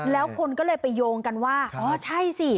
แล้วคนก็เลยไปโยงกันว่าอ๋อใช่สิ